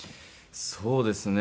そうですね